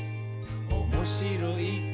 「おもしろい？